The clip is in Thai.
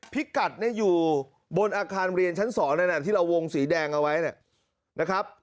พิกัดอยู่บนอาคารเรียนชั้น๒นั้นที่เราวงสีแดงเอาไว้นะครับ